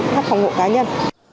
khắc phòng ngộ cá nhân